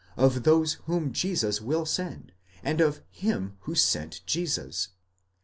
20, of those whom Jesus will send, and of Him who sent Jesus.